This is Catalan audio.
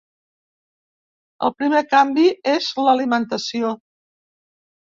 El primer canvi és l’alimentació.